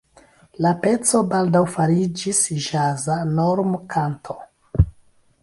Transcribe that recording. La peco baldaŭ fariĝis ĵaza normkanto.